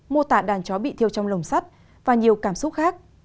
mô tả đàn chó bị thiêu trong lồng sắt và nhiều cảm xúc khác